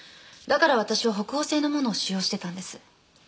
だから私は北欧製のものを使用してたんです。